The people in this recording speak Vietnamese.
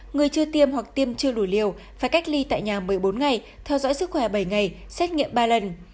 người chưa tiêm hoặc tiêm chưa đủ liều phải cách ly tại nhà một mươi bốn ngày theo dõi sức khỏe bảy ngày xét nghiệm ba lần